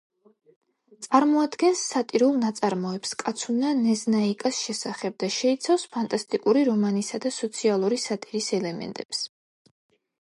წარმოადგენს სატირულ ნაწარმოებს კაცუნა ნეზნაიკას შესახებ და შეიცავს ფანტასტიკური რომანისა და სოციალური სატირის ელემენტებს.